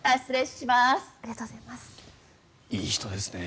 いい人ですね。